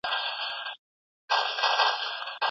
راتلونکی د هیله مندو کسانو په لاس کي دی.